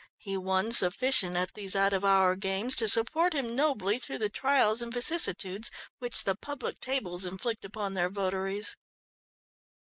He won sufficient at these out of hour games to support him nobly through the trials and vicissitudes which the public tables inflict upon their votaries.